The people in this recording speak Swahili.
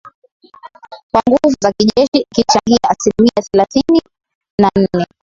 kwa nguvu za kijeshi ikichangia asilimia thelathini na nne